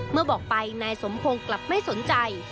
บอกไปนายสมพงศ์กลับไม่สนใจ